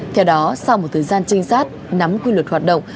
theo đó sau một thời gian trinh sát nắm quy luật hoạt động